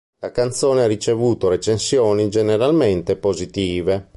La canzone ha ricevuto recensioni generalmente positive.